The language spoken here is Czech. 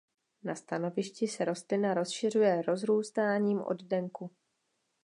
Na stanovišti se rostlina rozšiřuje rozrůstáním oddenku.